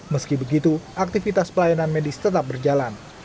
meski begitu aktivitas pelayanan medis tetap berjalan